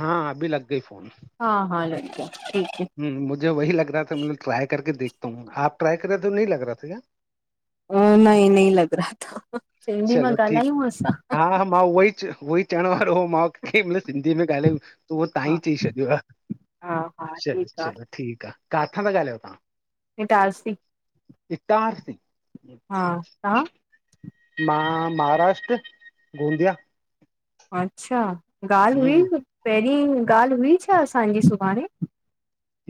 हां, अभी लॻ गई फोन। हा हा लग गया, ठीक है। ह। मुझे, वह लॻ रहा था मतिलब ट्राय कर के देखता हू, आप ट्राय कर रहे थे तो नही ल लग रहा था कया? नई नई लॻ रहा था, त सिंधी मां चलो ठीक ॻाल्हायूं असं हा हा, मां उहो ई, उहो ई चवण वारो हो मां, कें मल सिंधी में ॻाल्हायूं। त उहो तां ही हा चई छॾियो आ, हा हा चलो ठीकु आ चलो। ठीकु आ। काथां था ॻाल्हायो तव्हां? ईंटारिसी। ईंटारिसी। हा तहांं? मां, महाराष्ट्र गोंदिया। अच्छा ॻाल्हि हम्म हुई, पहिरीं ॻाल्हि हुई छा असांजी सुभाणे?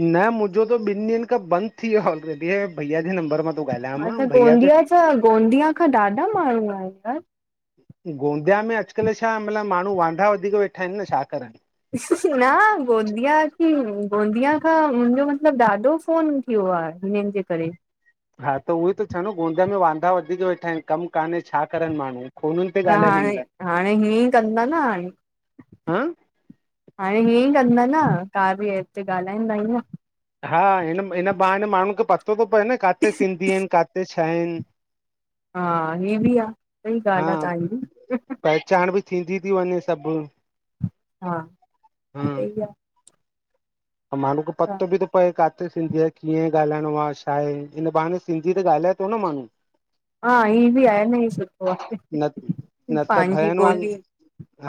न। मुंहिंजो त ॿिन ड्डिहन खां बंद थी व्यो आ, हे भैया जे नंबर मां थो ॻाल्हायां मां अच्छा भैया त गोंदिया जा, गोंदिया खां ॾाढा माण्हू आहिन त। गोंदिया में अॼुकल्ह छा मतिलब, माण्हू वांदा वधीक वेठा आहिन न छा करन। न गोंदिया क गोंदिया खां मुंहिंजो मतलबु ॾाढो फोन इियो आ, हिन जे करे। हा त, उहो इ तो चवां न, गोंदिया में वांदा वधीक वेठा आहिनि, कमु कान्हे छा करनि माण्हू। फ़ोनुनि ते त ॻाल्हाइनि हिन हाणे, महिल हाणे हीअं ई, कंदा न हाणे। हां हाणे हीअं ई कंदा न, ता बि एप ते ॻाल्हाईंदा ई न। हा हिन- हिन बहाने माण्हू खे पतो थो पए न, काथे सिंधी आहिन, काथे छा आहिन। हा। हिय बि आ, सही हा ॻाल्हि आ तहांजी। पहचान बि थींदी थी वञे सभिनी हा, सही आ। ऐं, माणू खे हा पतो बि तो पवे, काथे सिंधी आहिन। कीअं ॻाल्हाइणो आ, छा आहे, इन बहाने सिंधी त ॻाल्हाए थो न माण्हू। हा। हिअ बि आहे न, ई सुठो आ, न न त पंहिंजी भयनि वांग ॿोली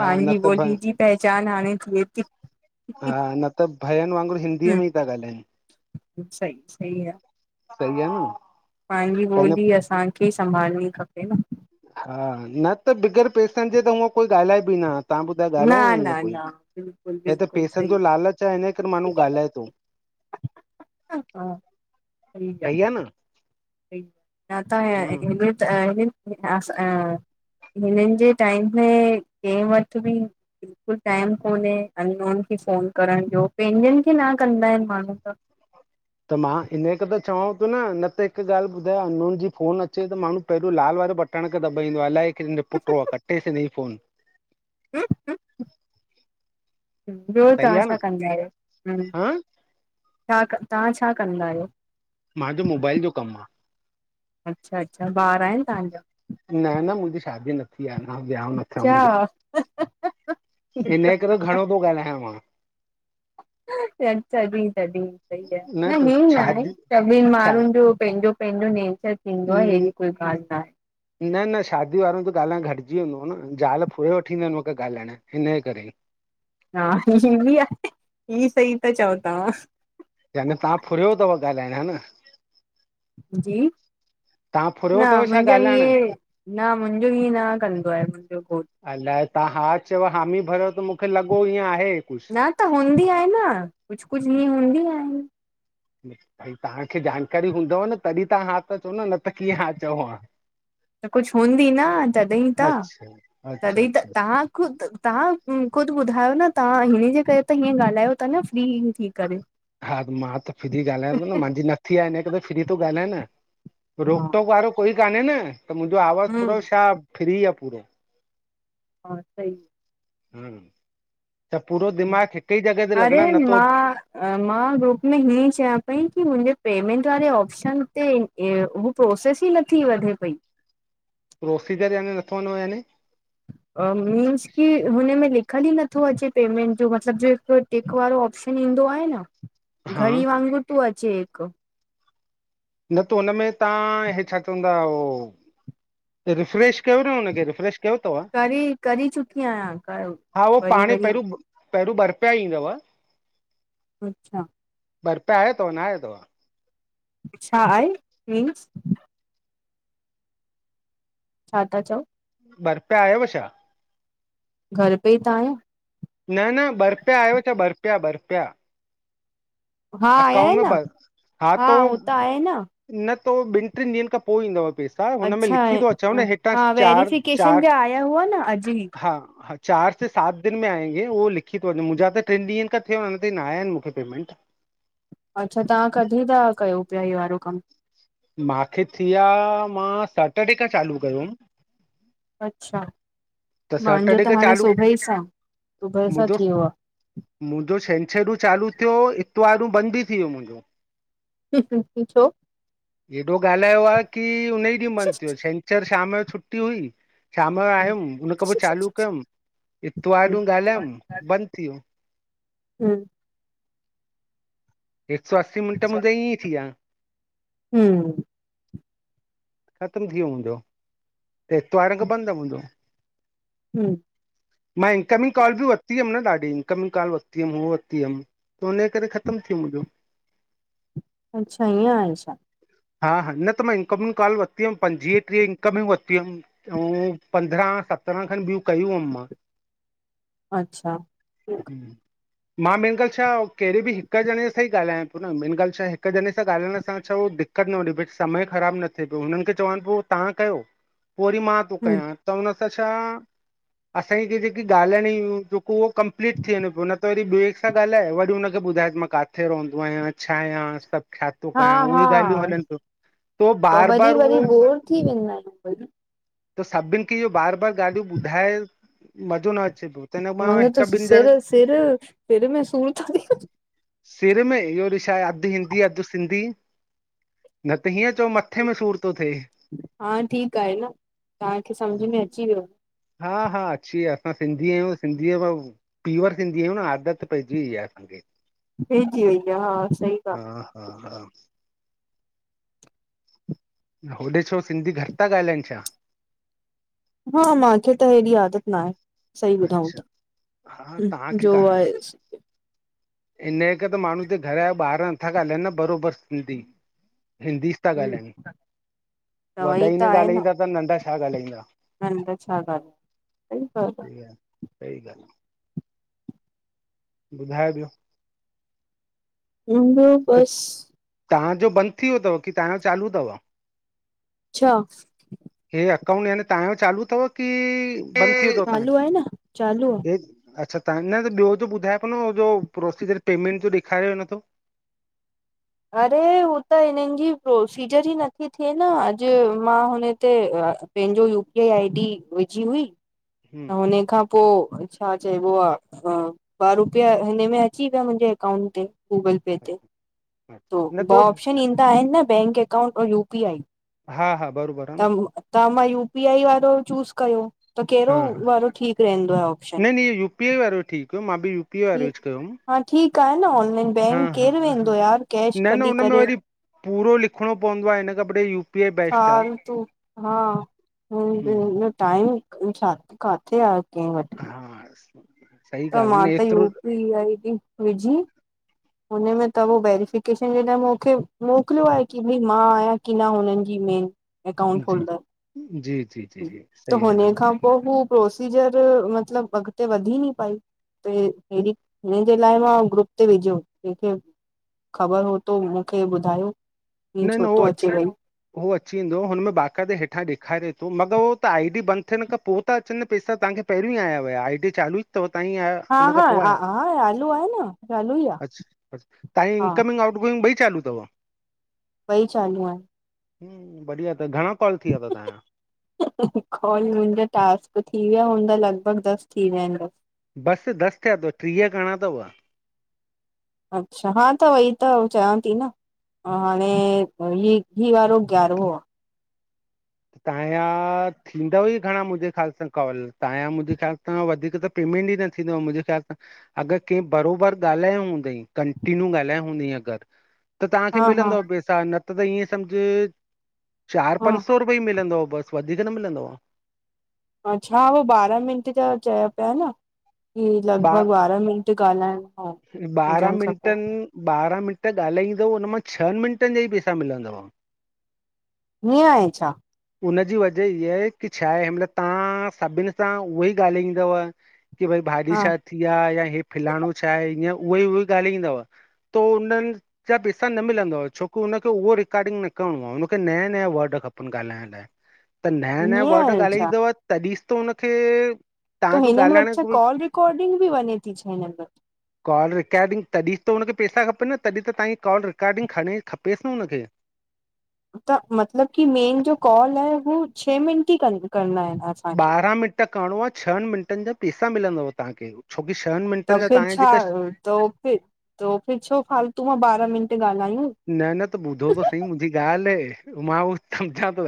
हा न त भ बोली जी पहचान हाणे थिए ती। हा, न त भयन वांगुरु हिंदीअ हम्म में ई था ॻाल्हाइन। सही सही आ सई आ न? पंहिंजी ॿोली, असांखे संभालणी खपे न। हा, न त बिग़ैर पैसनि जे, त हूंअ कोई ॻाल्हाए बि न। तहां ॿुधायो न ॻाल्हाए या न ईअं कोई, न बिल्कुलु हे त बिल्कुलु पैसनि सही जो लालच आ, हिन करे माण्हू ॻाल्हाए थो। हा। सही आ, सही आहे न सही आ हम्म [unintelligible] त। त हिन, हिननि जे टाइम में कैं वठ बि बिल्कुलु टाइम कोन्हे, अननोन खे फ़ोन करण जो, पंहिंजनि खे न कंदा आहिन माण्हू त। त, मां हिनकरे त चवां थो न, त हिकु ॻाल्हि ॿुधायो अननोन जी फोन अचे त माण्हू पहिरियों लाल वारो बटण खे दॿाईंदो आ, अलाए कैं जो पुट्र आ, कटेस हिन जी फोन। हम, हम। [unintelligible] ॿियो, सही तव्हां आहे छा न कंदा आहियो? हम्म, हा तां क, तां छा कंदा आहियो? मांजो मोबाइल जो कमु आ। अच्छा अच्छा, ॿार आहिनि तव्हांजा? न न मुंहिंजी शादी न थी आ अञा। व्हयां न थियो मुंहिंजो। अच्छा ठीकु हिन करे घणो पो ॻाल्हायां मां। अच्छा, तॾहिं तॾहिं सही आ। न त हींअ न आहे, शादी सभिनि छा माण्हुनि जो पंहिंजो पंहिंजो नेचर थींदो आहे। एहिड़ी कोई ॻाल्हि न आहे। न न शादीअ वारन जो ॻाल्हाइणु घटिजी वेंदो आहे न, ज़ाल फुरे वठी वेंदा आहिनि हुनन खे ॻाल्हाइण। हिन करे हा हिअं बि आहे, हिअ सही ता चओ तव्हां यानी तां फुरियो थव ॻाल्हाइण, हा न जी, तव्हां न फुरियो अथव छा मुंहिंजा ॻाल्हाइण हिएं न मुंहिंजो ईअं न कंदो आहे। मुंहिंजो घोटु अलाए तव्हां हा चयो, हामी भरियो त मूंखे लॻो ईअं आहे कुझु न त हूंदी आहिनि न, कुझु कुझु हीअं हूंदी आहिनि। ब भई तव्हांखे जानकारी हूंदव न, तॾहिं तव्हां हा त चओ न, न त कीअं हा चओ हा। त कुझु हूंदी न तॾहिं त, अच्छा अच्छा तॾहिं त अच्छा तव्हां ख़ुदि, तव्हां ख़ुदि ॿुधायो न तव्हां हिन जे करे त हीअं ॻाल्हायो था न फ्री थी करे हा मां त फ्री ॻाल्हायां थो न, मुंहिंजी न थी आहे, हिन करे त फ्री थो ॻाल्हायां न। रोक टोक वारो कोई कान्हे न, त मुंहिंजो आवाज़ थोरो हम्म छा, फ्री आ पूरो। हा सही ह्म्म, त पूरो दिमाग़ु हिक ई जॻह ते लॻल आ, न थो न मां ग्रुप में हीअं चवां पई कि मुंहिंजे पेमेंट वारे ऑप्शन ते हू प्रोसेस ई नथी वधे पई। प्रोसीजर याने नथो वधे याने मीन्स कि हुनमें लिखियल ई नथो अचे पेमेंट जो मतलबु जेको टिक वारो ऑपशन ईंदो आहे न, हा घड़ी वांगुरु थो अचे हिकु। न त हुनमें तव्हां ही छा चवंदा हो रिफ्रेश कयो न हुनखे रिफ्रेश कयो अथव करे करे चुकी आहियां घणो, हा उहो वरी पाणे वरी पहिरियों पहिरियों ॿ रुपिया ईंदव। अच्छा ॿ रुपिया आया थव, न आया अथव? छा आहे? मीन्स छा था चओ? ॿ रुपिया आयव छा? घरु पे ई त आहियां। न न ॿ रुपिया आहियव छा ॿ रुपिया, ॿ रुपिया? हा आया अकाउंट आहिन न में ॿ, हा तो, हो त आहे न न तो ॿिनि टिनि ॾींहंनि खां पोइ ईंदव पैसा। हा हुन में अच्छा लिखी थो अचव न, हेठां हा चार वेरिफिकेशन चार जा आया हुआ न अॼु ई हा हा चारि से सात दिन में आएंगे, उहो लिखी थो अचे, मुुंहिंजा त टिनि ॾींहंनि खा थिया आहिनि। अञा ताईं न आया आहिनि मूंखे पेमेंट। अच्छा तव्हां कॾहिं था कयो? हे वारो कमु। मांखे थी विया मां सेटर्डे खां चालू कयोमि। अच्छा, त मांजो सैटरडे त खां हाणे चालू सुबुह सां, सुबुह सां थी वियो आ। मुंजो छंछरु चालू थियो, इतवारु बंदि भी थी वियो मुंजो। आहे छो एॾो ॻाल्हायो आ कि हुन ई ॾींहु बंद थियो छंछर छंछर शाम जो छुटी हुई, शाम जो आयुम, उन खां पो चालू कयम, इतवार हम्म ॾींहु ॻाल्हायुम, बंद थी वियो। हूं हिक सौ असी मिंट मुंजा इयं ईं थी विया हम्म ख़तम थी वियो मुंजो, त एतवार खां बंद आ मुंजो। हम मां इनकमिंग कॉल बि वती हुयम न ॾाढी, इनकमिंग कॉल वती हम हू वती हम त हुनजे करे ख़तम थी वियो मुंजो। अच्छा ईअं आहे छा? हा हा न त मां इनकमिंग काल वती हम पंजवीह ट्रीह इनकमिंग वती हम। अऊं पंद्रह सत्रां खन ॿियूं कयूं हम मां। अच्छा हम मां मेन ॻाल छा केड़े बि हिक ॼणे सां ई ॻाल्हायां पियो न, मेन ॻाल छाए हिक ॼणे सां ॻाल्हाइण सां छा हो दिक [unintelligible] समय ख़राब न थे पियो हुनन खे चवांन पियो तव्हां कयो पो वरी मां त पो हम्म कयां त हुन त छा असां खे जेकी ॻाल्हाइण जी जेको हो कंप्लीट थी वञे पियो न त ॿे सां ॻाल्हाए वरी हुनखे ॿुधाएस, कि मां काथे रहंदो आयां छा आयां सभ छाथो हा कयां उहे ई हा ॻाल्हियूं हलन पियूं तो वरी बार-बार वरी उहो बोर थी वेंदा आहियूं त सभिन खे इयो बार-बार ॻाल्हियूं ॿुधाए मज़ो न अचे पियो त हिन मां हूंअ त हिकु ॿिनि ॼण सिर-सिर, सिर में सूर तो थी सिर में इयो वरी छाए अध हिंदी, अध सिंधी न त हीअं चओ मथे में सूर तो थे हा ठीक आहे न, तांखे समझ में अची वियो। हा-हा अची वियो आ असां सिंधी आयूं, सिंधीअ में प्योर सिंधी आयूं, न आदत पेजी वई आ असांखे पेजी वई आ हा सही ॻाल हा-हा-हा होॾे छो सिंधी घट ता ॻाल्हाइन छा? न मांखे त हेॾी आदत न आहे सही ॿुधाऊं अच्छा त, हा तव्हांखे जो कान आहे इन करे त माण्हू त घर जा ॿार नथा ॻाल्हाइन न बरोबर सिंधी हिंदीस था ॻाल्हायन, त वॾा वई ई त न आहे ॻाल्हाईंदा त नंढा छा ॻाल्हाईंदा। न न छा ॻाल आ सही चओता सही सही गाल आ। ॿुधाए ॿियो? ईंदो त बस तव्हांजो बंद थी वियो त, कि तव्हांजो चालू तव? छा? हे अकाउंट याने तव्हांजो चालू तव की बंद थी वियोे तव तांजो? चालू आहे न चालू आहे अच्छा तां न त ॿियो त ॿुधाए पियो न हो जो प्रोसीजर पेमेंट जो ॾेखारेव न तो। अरे, हू त हिननजी प्रोसीजर ई नथी थिए न। अॼु मां हुनते पंहिंजो U P I, I D विझी हुई। हम्म उने खां पोइ। छा चइबो आहे। ॿ रुपिया हिन में अची विया। मुंहिंजे अकाउंट ते, गूगल पे ते। अच्छा तो न ॿ ऑप्शन ईंदा आहिनि न। बैंक अकाउंट और यूपी आई। हा, हा बरोबर। आहे त, न त मां यूपी आई वारो चूस कयो। त, हा कहिड़ो वारो ठीकु रहंदो आहे ऑपशन? बे वारो ठीकु, मां बि बे वारो यूज़ कयो। हा ठीकु आहे न ऑनलाइन हा, बैंक हा, केरु वेंदो हा। यार कैश न, न कढी हुन में करे वरी पूरो लिखणो पवंदो आहे। हिन कपिड़े यूपी आई बैेस्ट आहे। हा। हिन बिन जो हम्म टाइम काथे आहे के वठ। हा। सही त, ॻाल्हि आहे न मां त एतिरो उपी आई आइडी विझी हुन मूंखे त उो वेरिफिकेशन जे लाइ मोकलियो आहे। कि मां आहियां कि न हुननि जी मेन। अकाउंट जी, होल्डर जी, जी, जी, जी त सही ॻाल्हि हुन आहे न। खां पोइ हू प्रोसीजर मतलब अॻिते वधी नी पई ते [inaudible] इ न लाइ मां ग्रुप ते विझो। कंहिंखे ख़बर हु त मूंखे ॿुधायो। हिय छो थो अचे वई। हो, अची वेंदो। हुनमें बाकाइदे हेठां डेखारे थो, मगर उहो त आई डी बंद थियण खां पोइ। तत अचनि, पेसा तवांखे पहिरियों ई आया हुया, आई टी चालू ई अथवां आया। हा हुन खां हा पोइ हा आयो। हा चालू आहे न चालू ई आहे [inaudible] तव्हांजी हा इनकमिंग आटगोइंग ॿई चालू अथव? ॿई चालू आहे। बढ़िया, त गणा कॉल थी विया थव तव्हांजा? [unintelligible] कॉल, मुंहिंजा टास्क थी विया हूंदा। लॻभॻि दसि थी विया आहिन। बसि, दसि थिया अथव। ट्रीह करना अथव। अच्छा, हा त वई त चवयां थी न। हाणे हि आरो ग्यारो आहे। तव्हां जा थींदा ई घणा, मुंहिंजे ख़्याल सां कॉल, तव्हां जा मुंहिंजे ख़्याल सां वधीक त। पेमेंट ई न थींदो आहे, मुंहिंजे ख़्याल सां अगर के बराबरि गाल्हायो हूंदई, कंटिन्यू गाल्हाया हूंदई, अगर। त तव्हां खे हा मिलंद हा पैसा, न त त ईअं समझो चार हा पं सौ रुपिया ई मिलंदो आहे, बसि वधीक न मिलंदो आहे। अच्छा, उ बारहां मिंट जो चए पिया न कि लग भग बारहां मिंट। गाल्हाइणु बारह मिंटन बारहं मिंट गाल्हाईंदवत हून मा छ ही मिंटन जा ई पैसा मिलंदव। ईअं आहे छा? हुन जी वजह इहा आहे की छा आहे? मतल तव्हां सभिनि सां उहो ई ॻाल्हाईंदव की, भई भाजी हा छा थी आहे या ही फलाणो छा आहे? हंअं, उहो ई उहो ई गाल्हाईंदव। थो उनन जां पैसा न मिलंदो आहे, छो कि हुनखे उहो रेकॉर्डिंग न करिणो आहे, हुनखे नया-नया वर्ड खपनि गाल्हाइण लाइ। त नयां-नयां हीअं वर्ड आहे छा? गाल्हाईंदव, तडहिंस त हुनखे त तव्हांजो हिननि वटि छा ॻाल्हाइण कॉल रेकॉर्डिंग बि वञे थी, छा हिननि में? कॉल रिकॉर्डिंग तॾहिं त हुनखे पैसा खपनि न तॾहिं त तव्हांखे कॉल रिकॉर्डिंग खणी खपेसि न हुनखे। त मतलब की मेन जो कॉल है हू छह मिंट ई कर करना है। ॿारहां मिंट करिणो आहे छह मिंटनि जा पैसा मिलंदव तव्हांखे छोकी छह मिंट त फिर छा तो फिर तो फिर छो फालतू मां ॿारहां मिंट ॻाल्हायूं। न न त ॿुधो त सही मुंहिंजी ॻाल्हि आहे मां उ सम्झा थो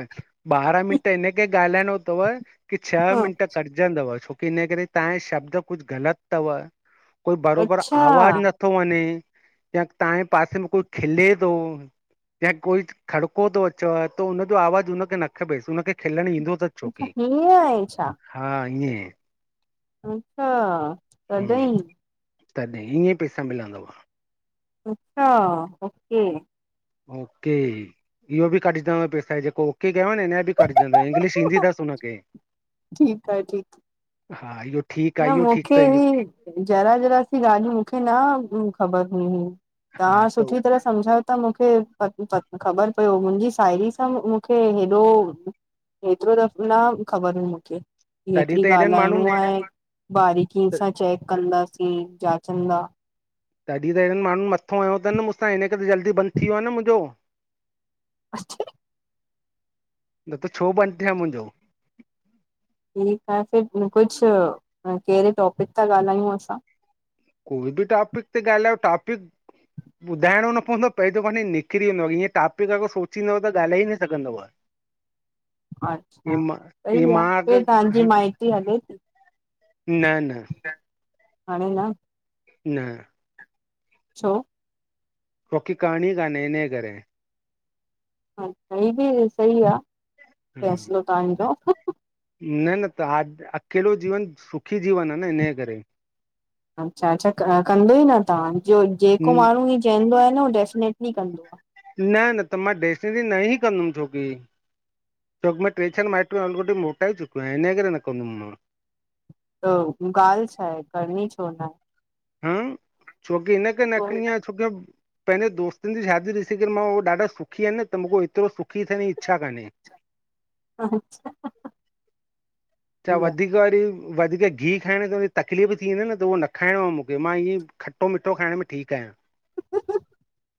ॿारहां मिंट हिनखे ॻाल्हाइणो अथव की छह हा मिंट कड छोक हिनकरे तां शब्द कुझु गलत अथई कोई बरोबर अच्छा आवाज न नथो वञे या तव्हांजे पासे में कोई खिले थो, या कोई खड़को थो अचेव त हुननजो आवाज़ु उनखे न खपेसि उन खे खिलण ईंदो त अछा हीअ आहे छा! हा ईअं। अच्छा तॾहिं तॾ ईअं पैसा मिलंदव। अच्छा ओके। ओके! इहो बि कढजंदव पैसा जेको ओेके कयव न हिना जा ॿि कढजंदव इंग्लिश ईंदी अथस हुनखे। ठीकु आहे ठीकु हा इहो ठीकु न आहे इहो ठीकु मुंखे त इहो ई जरा जरा सी ॻाल्हियूं मुंखे न ख़बर हुयई, तां हा त सुठी तरह सम्झायो त मुंखे ख़बर पयो मुंहिंजी साहेड़ी सां मुंखे हेॾो हेतिरो दफ़ न ख़बर हुई मुंखे की तॾहिं त ऐतिरी हेॾनि ॻाल्हाइणो माण्हुनि आहे बारिकीअ सां चेक कंदासीं जाचंदा तॾहिं त हिननि माण्हुनि मथो हयो अथनि मुंसां हिन करे, जल्दी बंदि थी वियो आ न मुंहिंजो अच् छी न त छो बन्द थे आ मुंहिंजो ठीकु आ फिर कुझु कहिड़े टॉपिक था, ॻाल्हायूं असां कोई ॿी टॉपिक ते गाल्हियो टॉपिक ॿुधाइणो न पवंदो पंहिजो पाणी निकिरी वेंदो आ ईअं टॉपिक अगरि सोचींनदव त ॻाल्हाए न सघंदव [inaudible] अच्छा इहे मां इहे सही आ मां फिर तांजी अगरि माइट्री हले थी न न न, हाणे ना न छो मुख़े करणी काने इने करें ह सही ॿि सही आ फ़ैसलो तांजो न न त हा अकेलो जीवन सुखी जीवन आ न इञे करें अच्छा, अच्छा कंदों ई न तव्हां जो जेको माण्हूं ई चवंदो आहे न उ डेफिनेटली कंदो आ न, न त मां डेस्टरी न हीं कंदुमि छोकी छोकि मां ट्रे चार माइट्रय अङुठी मोटाए चुकियो आहिया, हिनन करे न कंन्दम मां अ ॻाल्हि छा आहे करणी छो नाऐ? हं छोकी हिनखे नखणी आ छोकी मुंखे पंहिंजे दोस्तनि जी शादी ॾिसी करे, मां उह ॾाढा सुखी आहिनि न, त मुंखे एतिरो सुखी थियण इच्छा कान्हे [inaudible] अच्छा, छा सइ आ। वधीक वधीक घीहु खाइण त तकलीफ़ थी वेंदी आ न, त न खाइणो आ मुखे। मां इएंं खट्टो-मिठो खाइण में ठीकु आहियां। आहे।